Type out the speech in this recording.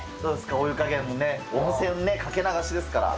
お湯加減ね、温泉かけ流しですから。